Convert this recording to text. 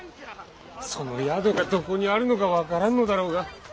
その宿がどこにあるのか分からんのだろうが。